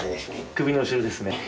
首の後ろですね